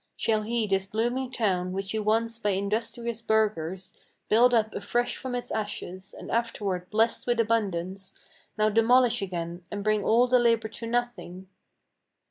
Shall he this blooming town which he once by industrious burghers Built up afresh from its ashes, and afterwards blessed with abundance, Now demolish again, and bring all the labor to nothing?"